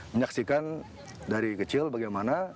menyaksikan dari kecil bagaimana